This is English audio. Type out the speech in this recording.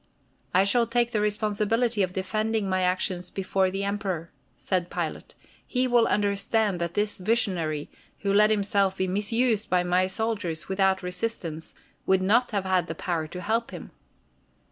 "I shall take the responsibility of defending my actions before the Emperor," said Pilate. "He will understand that this visionary, who let himself be misused by my soldiers without resistance, would not have had the power to help him."